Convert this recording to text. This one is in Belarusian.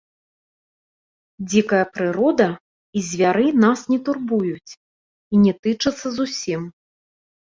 Дзікая прырода і звяры нас не турбуюць і не тычацца зусім.